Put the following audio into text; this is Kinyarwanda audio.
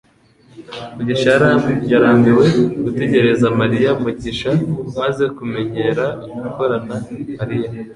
mugisha yarambiwe gutegereza Mariya mugisha maze kumenyera gukorana Mariya